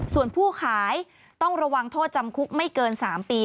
ส่วนผู้ขายต้องระวังโทษจำคุกไม่เกิน๓ปี